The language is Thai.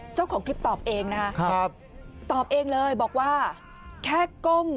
เจ้าของคลิปตอบเองนะครับตอบเองเลยบอกว่าแค่ก้ม